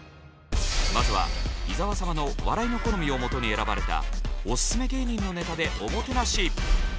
まずは伊沢様の笑いの好みをもとに選ばれたオススメ芸人のネタでおもてなし。